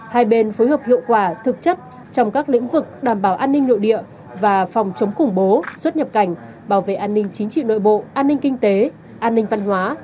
hai bên phối hợp hiệu quả thực chất trong các lĩnh vực đảm bảo an ninh nội địa và phòng chống khủng bố xuất nhập cảnh bảo vệ an ninh chính trị nội bộ an ninh kinh tế an ninh văn hóa